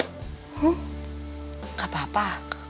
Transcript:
huh gak apa apa